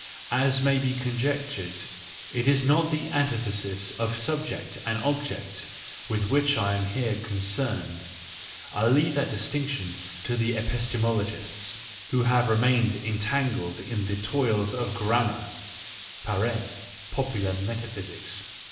As may be conjectured, it is not the antithesis of subject and object with which I am here con¬ cerned : I leave that distinction to the episte mologists who have remained entangled in the the joyful wisdom, V toils of girammar (popular metaphysics).